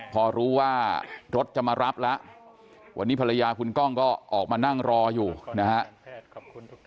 พอรู้ว่ารถจะมารับแล้ววันนี้ภรรยาคุณกล้องก็ออกมานั่งรออยู่นะครับ